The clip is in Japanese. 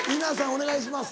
お願いします